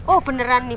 oh beneran nih